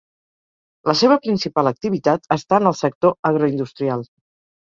La seva principal activitat està en el sector agroindustrial.